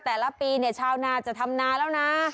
แต่ละปีชาวน่าจะทำนาแล้วนะ